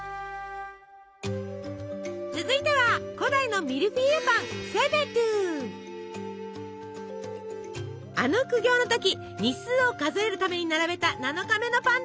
続いては古代のミルフィーユパンあの苦行の時日数を数えるために並べた７日目のパンだという説も！